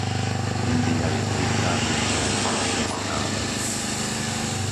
India je trikrát väčšia než Latinská Amerika.